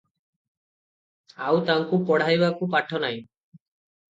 ଆଉ ତାଙ୍କୁ ପଢ଼ାଇବାକୁ ପାଠ ନାହିଁ ।"